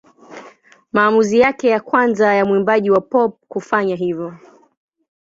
Maamuzi yake ya kwanza ya mwimbaji wa pop kufanya hivyo.